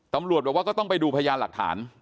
ตำรวจบอกว่าก็ต้องไปดูพยานหลักฐาน